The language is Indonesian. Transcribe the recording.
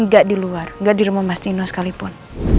gak diluar gak dirumah mas nino sekalipun